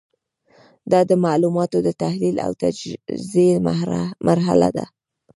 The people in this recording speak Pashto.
دا د معلوماتو د تحلیل او تجزیې مرحله ده.